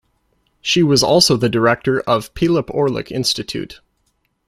She was also the director of Pylyp Orlyk Institute.